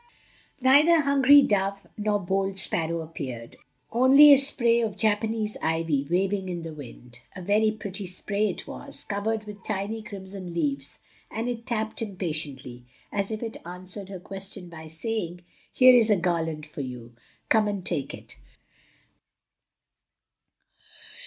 Neither hungry dove nor bold sparrow appeared, only a spray of Japanese ivy waving in the wind. A very pretty spray it was, covered with tiny crimson leaves; and it tapped impatiently, as if it answered her question by saying, "Here is a garland for you; come and take it."